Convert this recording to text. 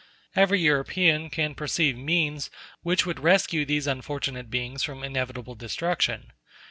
Every European can perceive means which would rescue these unfortunate beings from inevitable destruction.